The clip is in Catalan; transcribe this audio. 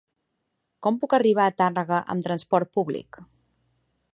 Com puc arribar a Tàrrega amb trasport públic?